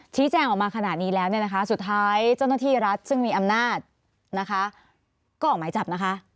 แจ้งออกมาขนาดนี้แล้วเนี่ยนะคะสุดท้ายเจ้าหน้าที่รัฐซึ่งมีอำนาจนะคะก็ออกหมายจับนะคะ